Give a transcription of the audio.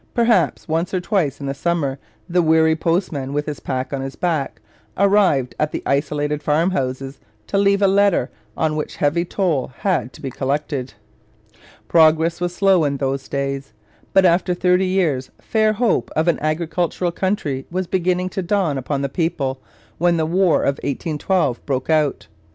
Perhaps once or twice in the summer the weary postman, with his pack on his back, arrived at the isolated farmhouse to leave a letter, on which heavy toll had to be collected. Progress was slow in those days, but after thirty years fair hope of an agricultural country was beginning to dawn upon the people when the War of 1812 broke out.